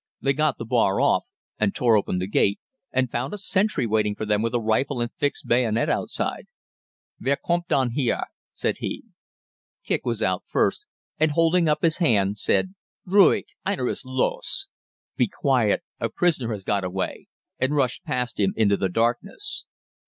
They got the bar off and tore open the gate, and found a sentry waiting for them with a rifle and fixed bayonet outside. "Wer kommt dann hier?" said he. Kicq was out first, and holding up his hand said, "Ruhig, einer ist los!" (Be quiet, a prisoner has got away), and rushed past him into the darkness.